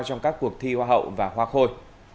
trong các cuộc thi hoa hậu và hoa khôi